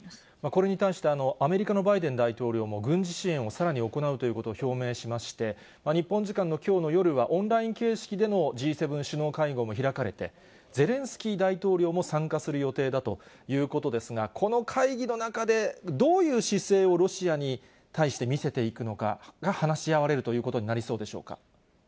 これに対して、アメリカのバイデン大統領も、軍事支援をさらに行うということを表明しまして、日本時間のきょうの夜はオンライン形式でのＧ７首脳会合も開かれて、ゼレンスキー大統領も参加する予定だということですが、この会議の中で、どういう姿勢をロシアに対して見せていくのかが話し合われるということになりそうでしょうか？